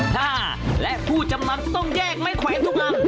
ฮะและผู้จำนัดต้องแยกไม้แขวนทุกอัน